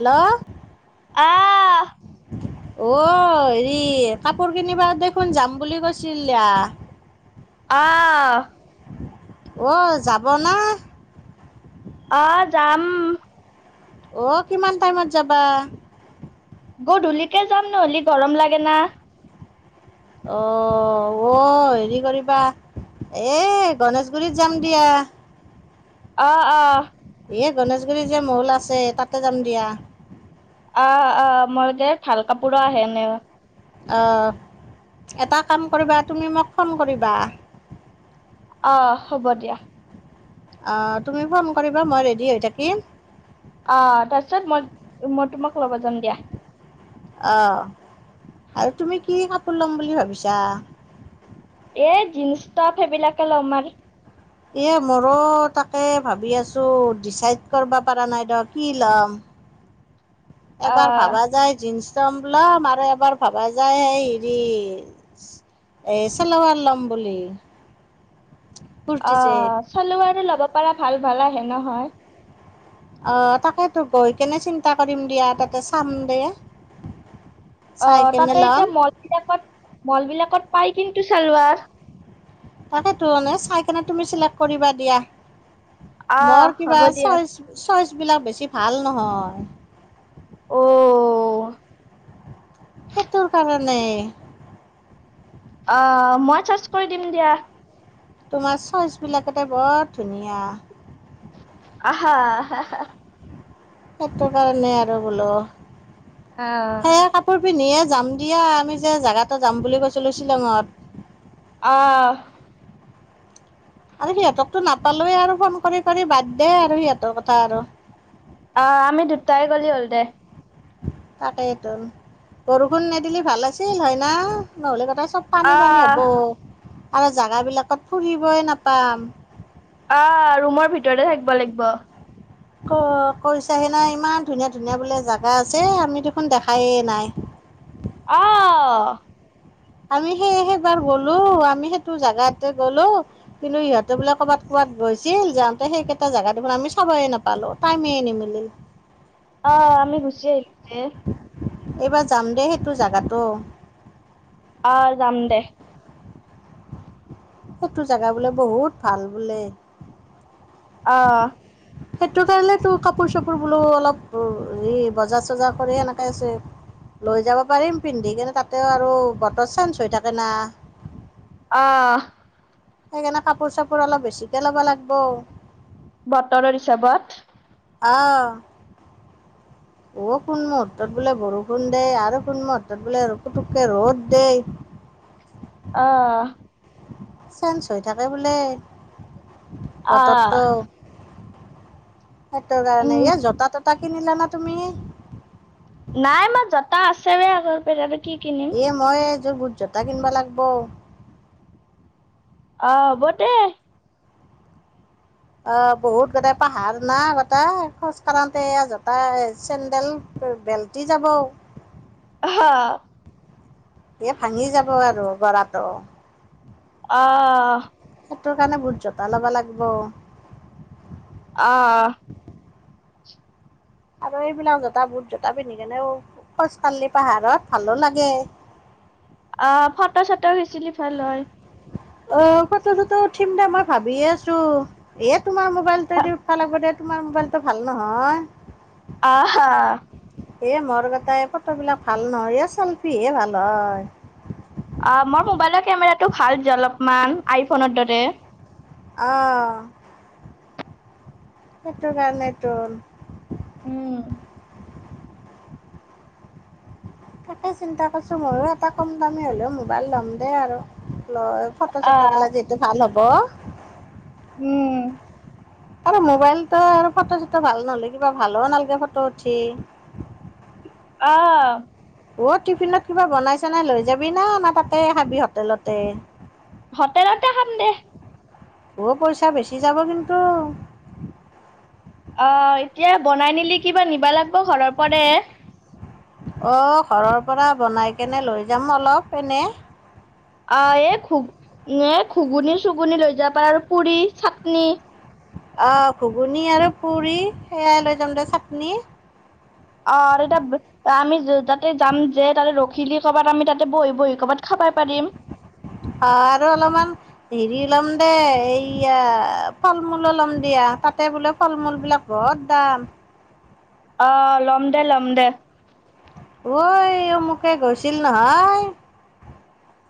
Hello. আহ অ' হেৰি কাপোৰ কিনিবা দেখোন যাম বুলি কৈছিলা। অ, অ, যাব না? অ, যাম। অ' কিমান টাইমত যাবা? গধূলিকে যাম নহ'লি গৰম লাগে না। অ, অ, হেৰি' কৰিবা এ গণেশগুৰিত যাম দিয়া। অ অ এই গণেশগুৰি যে মল আছে তাতে যাম দিয়া। আহ আহ মই দে ভাল কাপোৰো আহেনে অঁ এটা কাম কৰিবা তুমি মোক ফোন কৰিবা। অঁ হ'ব দিয়া অ তুমি ফোন কৰিবা মই ৰেডি হৈ থাকিম। অ তাৰপিছত মই মই তোমাক ল'ব যাম দিয়া অ আৰু তুমি কি কা কাপোৰ লম বুলি ভাবিছা। এ জীন্স টপ সেইবিলাকে লম আৰ এ মোৰো তাকে ভাবি আছোঁ ডিচাইড কৰবা পৰা নাই দ কি ল'ম এবাৰ আহ ভাবা যায় জীনছ ম ল'ম আৰু এবাৰ ভাবা যায় সেই হেৰি এই চেলোৱাৰ ল'ম বুলি অ কুৰ্তি ছেট চেলোৱাৰে ল'ব পাৰা ভাল ভাল আহে নহয় আহ তাকেতো, গৈ কেনে চিন্তা কৰিম দিয়া তাতে চাম দে অ চাই কেনে তাতে ল'ম এতিয়া মল বিলাকত মল বিলাকত পাই কিন্তু চালোৱাৰ তাকেটো চাই কেনে তুমি চিলেক্ট কৰিবা দিয়া আহ মোৰ হ'ব কিবা দিয়া চইচ চইচ বিলাক বেছি ভাল নহয় অ' সেইটোৰ কাৰণে অ মই চাৰ্জ কৰি দিম দিয়া তোমাৰ চইচ বিলাকতে বৰ ধুনীয়া আহ হা হা টো কাৰণে আৰু বোলো আহ সেয়া কাপোৰ নিয়ে যাম দিয়া আমি যে জেগা এটা যাম বুলি কৈছিলো শ্বিলঙত আহ আৰু সিহঁতকতো নাপালোৱে আৰু ফোন কৰি কৰি বাদ দে আৰু সিহঁতৰ কথা আৰু আহ আমি দুটাই গ'লি হ'ল দে তাকেইটো বৰষুণ নিদিলি ভাল আছিল হয় না নহ'লে গটাই - চব পানী পানী আহ হ'ব আৰু জাগাবিলাকত ফুৰিবই নাপাম আহ ৰুমৰ ভিতৰতে থাকিব লাগিব ক কৈছাহে না ইমান ধুনীয়া ধুনীয়া বোলে জাগা আছে আমি দেখোন দেখায়ে নাই আহ আমি সেই সেইবাৰ গলো আমি সেইটো জেগাতে গ'লো কিন্তু ইহঁতে বোলে ক'বাত ক'বাত গৈছিল যাওঁতে সেইকেইটা জেগা দেখোন আমি চাবয় নাপালো টাইমেই নিমিলিল এ এইবাৰ যাম দে সেইটো জাগাটো যাম দে সেইটো জেগা বোলে বহুত ভাল বোলে আহ সেইটো কাৰণেতো কাপোৰ চাপোৰ বোলো অলপ হেৰি বজাৰ চজাৰ কৰি এনেকে আছে লৈ যাব পাৰিম পিন্ধি কেনে তাতে আৰু বতৰ চেঞ্জ হৈ থাকে না অহ সেইকাৰণে কাপোৰ চাপোৰ অলপ বেছিকে ল'ব লাগিব বতৰৰ হিচাপত অহ অ কোন মুহূৰ্তত বোলে বৰষুণ দেই আৰু কোন মুহূৰ্তত বোলে পুটোককে ৰ'দ দেই অহ চেঞ্জ হৈ থাকে বোলে আহ বতৰতো সেতু কাৰণে উম ইয়া জতা ততা জোতা কিনিলানে তুমি নাই মই জোত তাৰ আছে মানে আগৰ পেৰা পেতি এ মই বোট জোতা কিনব লাগব অহ হ'ব দে অহ বহুত গোটেই পাহাৰ না গোটে খোজ কঢ়াতে জতা চেণ্ডেল বেল্টি যাব হা এ ভাঙি যাব আৰু গৰাটো অহ তোৰকাৰণে বুুত জোতা ল'ব লাগিব অহ অহ। আৰু এইবিলাক জোতা বুট জোতা পিন্ধি কেনে খোজকাঢ়লে পাহাৰত ভালো লাগে অ ফটো চটো বেছিলি ভাল হয় অ ফটো চটো উঠিম দে মই ভাবিয়ে আছো ইয়াত তোমাৰ মোবাইলটো দি উঠবা লাগবো দে তোমাৰ মোবাইলটো ভাল নহয় অঁহ হা এ মোৰ গটাই এই ফটো বিলাক ভাল নহয় এই চেলফি হে ভাল হয় অ মোৰ মোবাইলৰ কেমেৰাটো ভাল যে অলপমান আইফোনৰ দৰে অহঁ সেইটো কাৰণে টো উম তাকে চিন্তা কৰিছো ময়ো এটা কম দামী হ'লেও মোবাইল ল'ম দে আৰু লয় ফটো চটো আহ গিলা যিহেতু ভাল হ'ব [unintelligible] উম আৰু মোবাইলতো আৰু ফটো চটো ভাল নহলে কিবা ভালও নালাগে ফটো উঠি অ অ টিফিনত কিবা বনাই চনাই লৈ যাবি না তাতেই খাবি হোটেলতে হোটেলতে খাম দে। ব পইচা বেচি যাব কিন্তু। অহ এতিয়া বনাই নিলি কিবা নিবা লাগিব ঘৰৰ পৰে অ ঘৰৰ পৰা বনাই কেনে লৈ যাম অলপ এনে। অ এ ঘুক ঘুগুনী চুগুনি লৈ যাব পাৰ আৰু পুৰি চাটনি অ', ঘুগুনী আৰু পুৰি সেয়াই লৈ যাম দে চাটনি। অ', আৰু তাত আমি যাতে যাম যে তাতে ৰখিলি কৰ'বাত আমি তাতে বহি-বহি কৰ'বাত খাবাই পাৰিম। অ', আৰু অলপমান হেৰি ল'ম দে এইয়া ফল-মূলো লম দিয়া। তাতে বোলে ফল-মূল বিলাক বহুত দাম। অহ, ল'ম দে, ল'ম দে। ঐ অমুকে গৈছিল নহয়,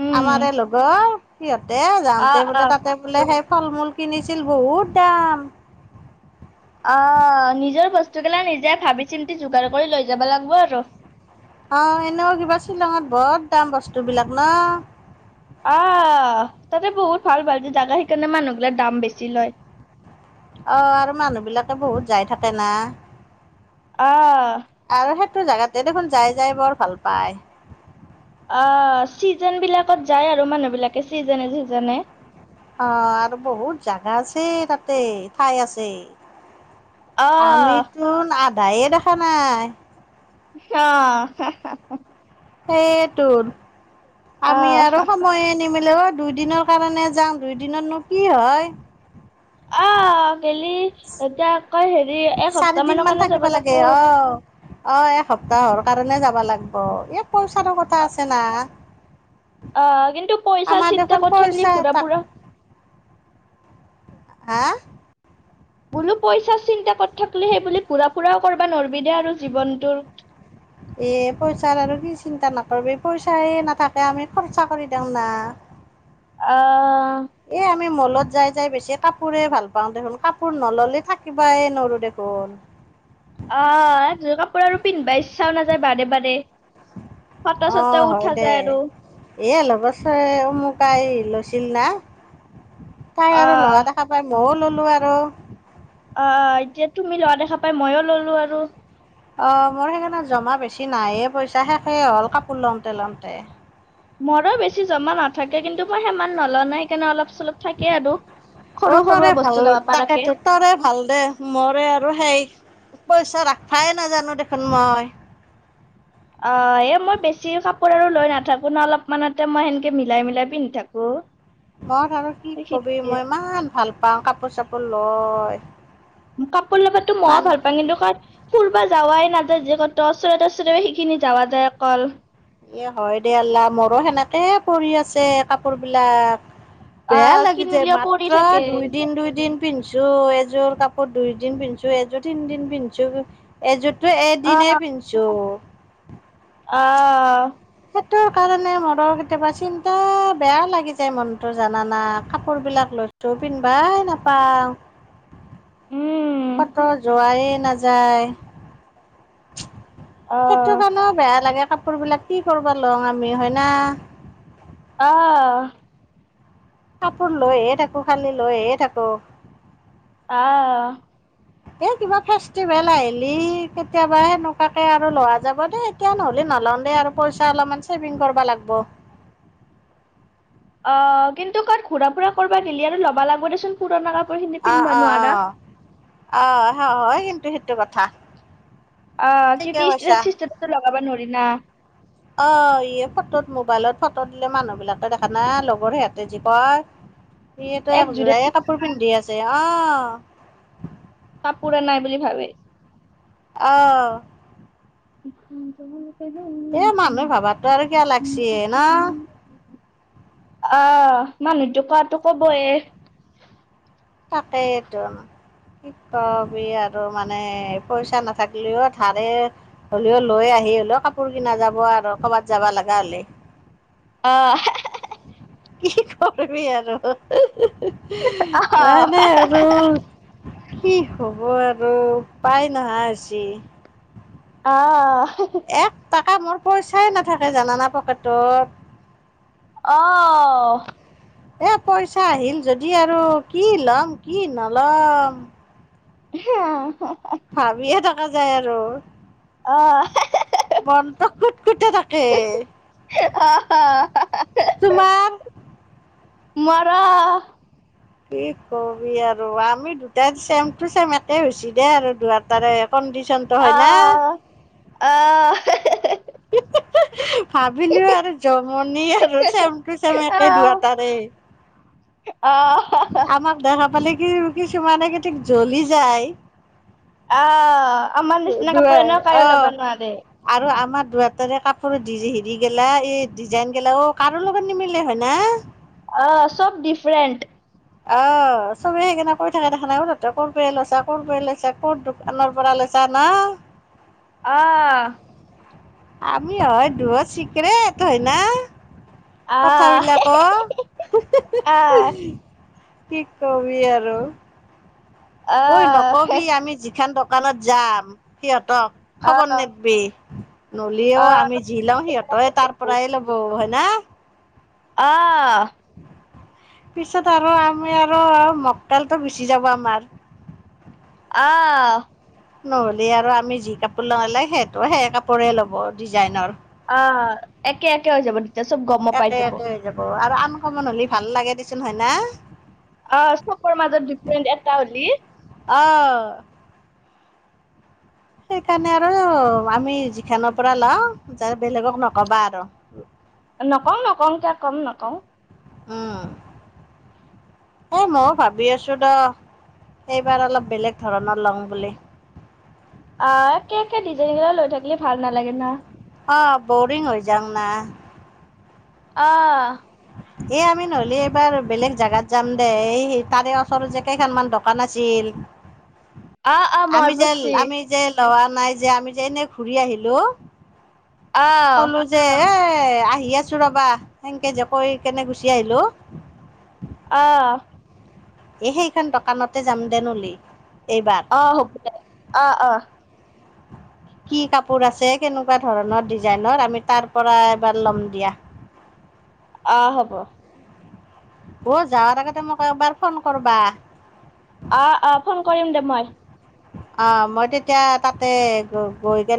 উম আমাৰে লগৰ সিহঁতে দে অ যাওঁতে অ বোলে তাতে বোলে সেই ফল-মূল কিনিছিল বহুত দাম। অহ নিজৰ বস্তুগিলা নিজে ভাবি চিন্তি যোগাৰ কৰি লৈ যাব লাগিব আৰু। অ', এনেও কিবা শ্বিলঙত বৰ দাম বস্তু বিলাক ন'? আহ তাতে বহুত ভাল-ভাল যে জাগা সেইকাৰণে মানুহ বিলাক দাম বেছি লয়। অ', আৰু মানুহ বিলাকে বহুত যাই থাকে না। অ'। এইটো জেগাতে দেখোন যাই-যাই বৰ ভাল পায়। অ চিজন বিলাকত যায় আৰু মানুহ বিলাকে চিজনে চিজনে অ', আৰু বহুত জাগা আছে তাতে ঠাই আছে। আহ আমিতো আ দায়ে দেখা নাই। হা সেয়েটোন। আমি আৰু আহ সময়ে নিমিলেও দুইদিনৰ কাৰণে যাাম দুই দিনতনো কি হয়? অহ কেলি এতিয়া আকৌ হেৰি এসপ্তাহ চাৰিদিন মানৰ মান কাৰণে থাকিব যাব লাগে লাগব অ'। অ', এসপ্তাহৰ কাৰণে যাবা লাগিব ই পইচাৰো কথা আছে না অ, কিন্তু পইচা আমাৰ চিন্তা দেখোন কৰি থাকিলি পইচা ফুৰা তাক ফুৰা হা বোলো পইচা চিন্তা কত থাকিলে সেই বুলি ঘূৰা ফুৰাও কৰা নোৱাৰবি দে আৰু জীৱনটোৰ। এ পইচাৰ আৰু কি চিন্তা নকৰিবি পইচাই নাথাকে আমি খৰচা কৰি দিও না। অ এ আমি মলত যাই-যাই বেছি কাপোৰে ভাল পাওঁ দেখোন কাপোৰ নল'লে থাকিবাই নৰো দেখোন। অ', [unintelligible] কাপোৰ আৰু পিন্ধিবা ইচ্ছাও নাযায় বাৰে-বাৰে। অ', হয় দে এ লগৰ চ-অমুকাই লৈছিল না তাই আৰু লৱা আহ দেখা পাই মইও ল'লো ল আৰু অহ এতিয়া তুমি লোৱা দেখা পাই ময়ো ললো আৰু। অ মোৰ সেইকাৰণে জমা বেছি নাইয়ে পইচা শেষেই হ'ল কাপোৰ লওঁতে লওঁতে মোৰো বেছি জমা নাথাকে কিন্তু মই সেমান নলোৱা নাই সেইকাৰণে অলপ চলপ থাকে আৰু অ সৰু সৰুৱা তৰে বস্তু ভাল লব পাৰাকে তাকেতো তৰে ভাল দে মৰে আৰু সেই পইচা ৰাখাই নাজানো দেখোন মই অ এই মই বেছি কাপোৰ আৰু লৈ নাথাকো ন অলপমানতে মই সেনেকে মিলাই মিলাই পিন্ধি থাকো মই আৰু কি কবি সেইখিনিয়ে মই ইমান ভাল পাও কাপোৰ চাপোৰ লওঁ হয় কাপোৰ লবাতো মই ভাল পামওঁ কিন্তু তাত ফুৰবা যাৱাই নাযায় যে ক ওচৰেতে ওচৰে সেইখিনি যাৱা যায় অকল এ হয় দে আল্লা মোৰো সেনেকে পৰি আছে কাপোৰ বিলাক বেয়া আহ লাগিছে কিনিলেও পৰি মাত্ৰ থাকে দুই দিন দুই দিন পিন্ধছো এযোৰ কাপোৰ দুই দিন পিন্ধছো এযোৰ তিনদিন পিন্ধছো এযোৰ তো এদিনে আহ পিন্ধছো অঁ ৰ কাৰণে মোৰৰ কেতিয়াবা চিন্তা বেয়া লাগি যায় মনতো জানানা কাপোৰ বিলাক লৈছো পিন্ধবাই নাপাওঁ উম [unintelligible] কত যোৱাইে নাযায় আহ সেইটো কাৰণে বেয়া লাগে কাপোৰ বিলাক কি কৰিবা লওঁং আমি, হয় না। অহ। কাপোৰ লৈহে থাকো, খালি লৈহে থাকো। অহ। এই কিবা ফেষ্টিভেল আহিলি, কেতিয়াবা সেনেকুৱাকে আৰু লোৱা যাব দে এতিয়া নহ'লে নলওঁ দে আৰু, পইচা অলপমান ছেভিং কৰবা লাগ'ব। [unintelligible] অহ কিন্তু কত ঘূৰা-ফুৰা কৰবা গিলি আৰু, লবা লাগ'ব দেচোন, পুৰণা কা- অ অ অ, অহ হ, হয় কিন্তু সেই- টো কথা। অহ ঠিকে কৈছা [unintelligible] লগাব নোৰ- বি ন। [unintelligible] অহ ই, ফটোত মোবাইলত ফটো দিলে মানুহ বিলাকে দেখা নাই, লগৰ সিহঁতে যি কয়। ইহঁতে একযোৰে এযোৰায় কাপোৰ পিন্ধি আছে। অহ। কাপোৰে নাই বুলি ভাবে। অহ। হোম [unintelligible] এই মানুহে ভাবাতো আৰু কিয় লাগছি ন অ [unintelligible] অহ, মানুহটো কোৱাটো কবয়ে। তাকেইতো, কি কবি আৰু মানে পইচা নাথাকিলেও, ধাৰে হ'লেও লৈ আহি হ'লেও, কাপোৰ কিনা যাব আৰু, ক'বাত যাব লগা হলি। অহ হে হে হে। কি কৰবি আৰু। আহ মানে আৰু কি হ'ব আৰু, উপাই নহা হৈছি। অহ। এক টা- কা মোৰ পইচাই নাথাকে, জানানা পকেতত। অহ। এ পইচা আহিল যদি আৰু, কি ল'ম কি নল'ম। হি অহ। ভাবিয়ে থাকা যায় আৰু। অহ, মনটো কুতকুতাই থাকেই। আহ তোমাৰ? মৰো। কি ক'বি আৰু, আমি দুটাই চেম টু চেম একে হৈছি দে, আৰু দুয়োটাৰে। কণ্ডিচনটো, হয় না? আহ ভাবিলোঁ আৰু জমনি আৰু, চেম টু চেম একে দুয়োটাৰে। অহ, আমাক দেখা পালে কি, কিছুমানে কি থিক, জ্বলি যায়। অহ। অ দুয়ে অহ। আৰু আমাৰ দুয়োটাৰে কাপোৰ দি যেহি- দি গেলা এই ডিজাইন গেলা অ কাৰো লগত নিমিলে হয় না? অ চব ডিফাৰেণ্ট। অহ' চবে সেইকাৰনে কৈ থাকে দেখ ন ক ত কৰবাই লৈছা, কৰবাই লৈছা ক'ত দোকানৰ পৰা লৈছা না। অহ। আমি হয় দুয়ো ছিক্ৰেট হয় না। আহ কথাবিলাক অ'। আহ কি কবি আৰু। ঐ আহ নকবি আমি যিখন দ দোকানত যাম সিহঁত। খবৰ নিদিবি নহলেও আহ আমি আহ যি লও সিহঁতেই তাৰ পৰাই ল'ব। না। অ'। পিছত আৰু আমি আৰু মক্কেলটো গুছি যাব আমাৰ। অহ, নহ'লি আৰু আমি যি কাপোৰ লওঁ লে সেইটো সেই কাপোৰে ল'ব ডিজাইনৰ। অহ' একে একে হৈ যাব তেতিয়া চব গম পাই একে যাব। একে হৈ আৰু আনকমন হ'লে ভাল লাগে হয় না। অ' চকৰ মাজত ডিফাৰেন্ট এটা হ'লি অ সেইকাৰণে আৰু আমি যিখৰ পৰা লও যে বেলেগক নকবা আৰু। নকওঁ-নকওঁ কিয় কম নকওঁ। উম' এই ময়ো ভাবি আছো দ এইবাৰ অলপ বেলেগ ধৰণৰ ল'ম বুলি। আহ' একে একে ডিজাইন লৈ থাকিলে ভাল নালাগে না। অ' বৰিং হৈ যাওং না। আহ'। এ আমি নহ'লে এইবাৰ বেলেগ জেগাত যাম দে এই তাৰে ওচৰত যে কেইখন মান দোকান আছিল। আ' আ' মই আমি যে বুচি। আমি যে লোৱা নাই যে আমি যে এনে ঘূৰি আহিলো। আহ কলো যে এ'। এ' আহি আছো ৰবা সেংকে যেপ। কৈ কেনে গুচি আহিলো। আহ'। এ' সেইখন দোকানতে যাম নহলি। অ' হ'ব দে অ' আহ'। কি কাপোৰ আছে, কেনেকুৱা ধৰণৰ ডিজাইনৰ আমি তাৰ পৰা এবাৰ ল'ম দিয়া। আহ' হ'ব। অ' যাৱাৰ আগতে মোক এবাৰ ফোন কৰবা। অ' অ' ফোন। কৰিম দে মই। অ মই তেতিয়া তাতে গ গৈ গেন।